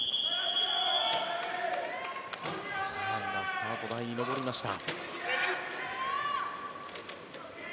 スタート台に上りました。